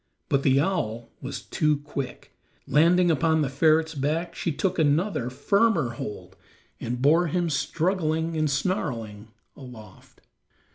But the owl was too quick; landing upon the ferret's back, she took another, firmer hold and bore him, struggling and snarling, aloft.